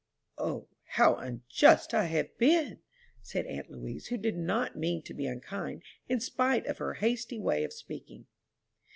"O, how unjust I have been!" said aunt Louise, who did not mean to be unkind, in spite of her hasty way of speaking.